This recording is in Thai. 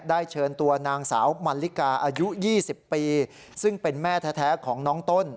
เชิญตัวนางสาวมันลิกาอายุ๒๐ปีซึ่งเป็นแม่แท้ของน้องต้น